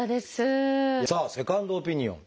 さあセカンドオピニオン。